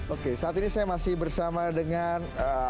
oke saat ini saya masih bersama dengan